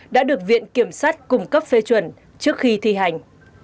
đã được viện kiểm sát cung cấp phê chuẩn trước khi thi hành